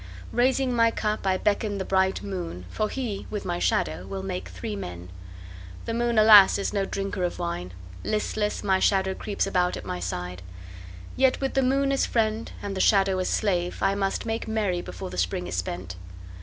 Raising my cup I beckon the bright moon, For he, with my shadow, will make three men. The moon, alas, is no drinker of wine; Listless, my shadow creeps about at my side. Yet with the moon as friend and the shadow as slave I must make merry before the Spring is spent.